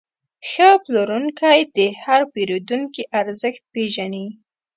ښه پلورونکی د هر پیرودونکي ارزښت پېژني.